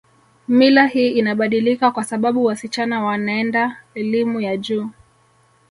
Mila hii inabadilika kwa sababu wasichana wanaenda elimu ya juu